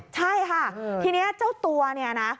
ใช่ค่ะทีนี้เจ้าตัวเนี่ยนะ